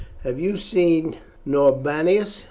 "Have you seen Norbanus?"